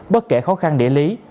bất kể khó khăn địa lý